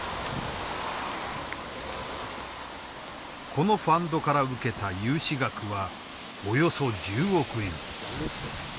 このファンドから受けた融資額はおよそ１０億円。